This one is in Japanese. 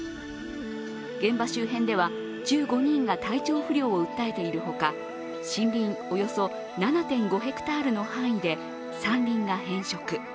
現場周辺では１５人が体調不良を訴えているほか、森林、およそ７．５ヘクタールの範囲で山林が変色。